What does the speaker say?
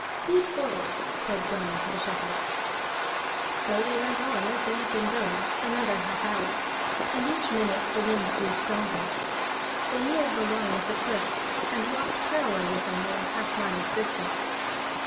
"Lead forward!" said Grani to the shepherd. So they went on as they had been going, another half hour, and each minute the wind grew stronger. They neared the line of the cliffs, and walked parallel with them at a half mile's distance.